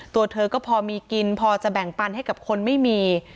ตัวเธอก็พอมีกินพอจะแบ่งปันให้กับคนไม่มี